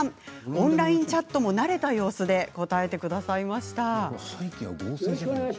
オンラインチャットも慣れた様子で答えてくださいました。